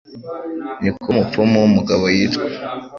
Niko Umupfumu Wumugabo Yitwa